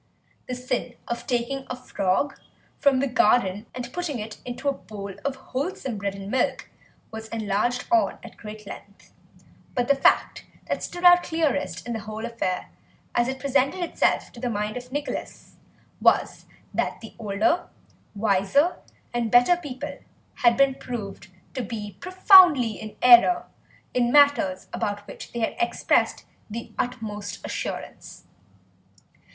The sin of taking a frog from the garden and putting it into a bowl of wholesome bread and milk was enlarged on at great length, but the fact that stood out clearest in the whole affair, as it presented itself to the mind of Nicholas, was that the older, wiser, and better people had been proved to be profoundly in error in matters about which they had expressed the utmost assurance.